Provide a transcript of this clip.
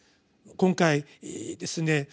今回ですね